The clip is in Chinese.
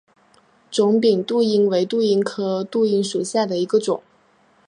肿柄杜英为杜英科杜英属下的一个种。